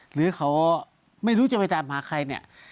หรือเขาไม่รู้จะไปตามหาใครเนี่ย